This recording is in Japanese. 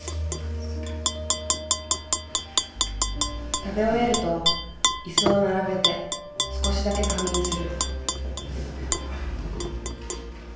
食べ終えると椅子を並べて少しだけ仮眠する。